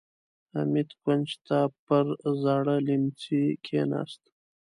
حميد کونج ته پر زاړه ليمڅي کېناست.